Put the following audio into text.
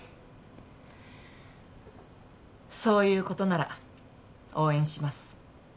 そういうことなら応援します